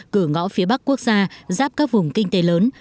cửa ngõ phía bắc quốc gia giáp các vùng kinh tế lớn